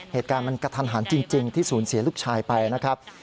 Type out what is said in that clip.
เหตุการณ์มันกระทันหันจริงที่สูญเสียลูกชายไปนะครับ